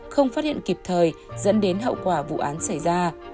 không phát hiện kịp thời dẫn đến hậu quả vụ án xảy ra